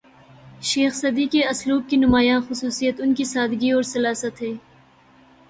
شیخ Saadi کے اسلوب کی نمایاں خصوصیت ان کی سادگی اور سلاست ہے